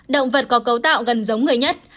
động vật có cấu tạo gần giống người nhất